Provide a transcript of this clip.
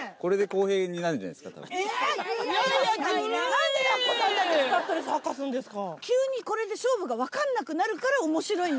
なんでやっこさんだけスタッドレス履かすんですか？